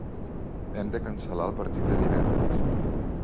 Hem de cancel·lar el partit de divendres.